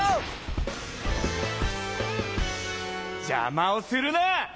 じゃまをするな！